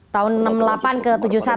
tahun enam puluh delapan ke tujuh puluh satu